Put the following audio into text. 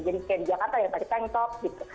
jadi kayak di jakarta yang pakai tank top gitu